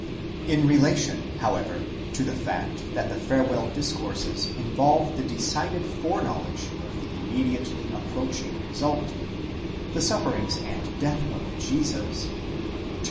In relation, however, to the fact that the farewell discourses involve the decided foreknowledge of the immediately approaching result, the sufferings and death of Jesus (xiii.